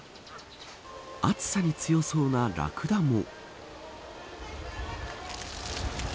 暑さに強そうなラクダも。